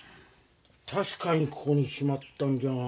たしかにここにしまったんじゃが。